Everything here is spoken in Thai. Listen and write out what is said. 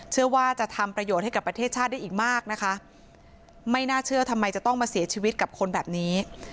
เชื่อว่าจะทำประโยชน์ให้กับประเทศชาติได้อีกมากนะคะไม่น่าเชื่อทำไมจะต้องมาเสียชีวิตกับคนแบบนี้